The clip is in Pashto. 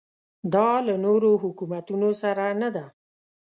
دا له نورو حکومتونو سره نه ده.